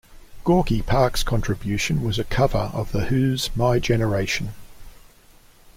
Gorky Park's contribution was a cover of The Who's My Generation.